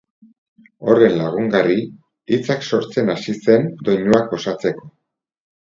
Horren lagungarri, hitzak sortzen hasi zen doinuak osatzeko